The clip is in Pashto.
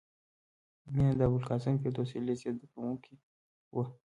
مینه د ابوالقاسم فردوسي لېسې زدکوونکې وه